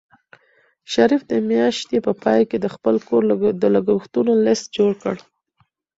شریف د میاشتې په پای کې د خپل کور د لګښتونو لیست جوړ کړ.